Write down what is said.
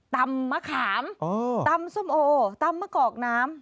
มะขามตำส้มโอตำมะกอกน้ำ